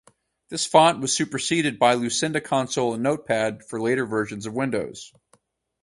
This font was superseded by Lucida Console in Notepad for later versions of Windows.